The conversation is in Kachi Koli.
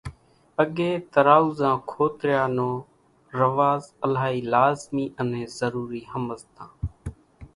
اڳيَ ترُووازان کوتريا نون رواز الائِي لازمِي انين ضرورِي ۿمزتان۔